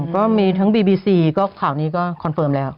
ก็มีบีบีซีข่าวนี้ก็คอร์นเฟิร์มแล้ว